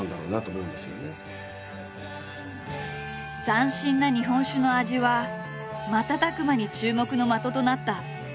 斬新な日本酒の味は瞬く間に注目の的となった。